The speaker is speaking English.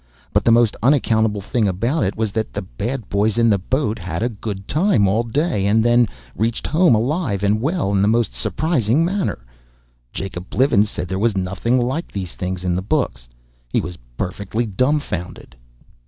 But the most unaccountable thing about it was that the bad boys in the boat had a good time all day, and then reached home alive and well in the most surprising manner. Jacob Blivens said there was nothing like these things in the books. He was perfectly dumfounded.